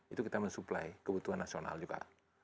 itu kita men supply kebutuhan nasional juga